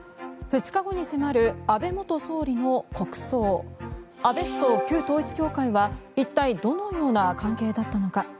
２日後に迫る安倍元総理の国葬安倍氏と旧統一教会は一体どのような関係だったのか。